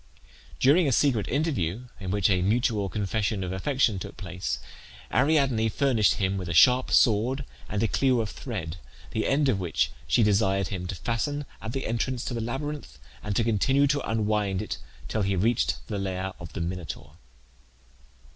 During a secret interview, in which a mutual confession of affection took place, Ariadne furnished him with a sharp sword and a clue of thread, the end of which she desired him to fasten at the entrance to the labyrinth and to continue to unwind it till he reached the lair of the Minotaur.